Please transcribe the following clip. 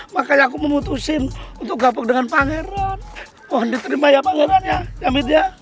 makanya aku memutusin untuk gabung dengan pangeran mohon diterima ya pangeran ya amit ya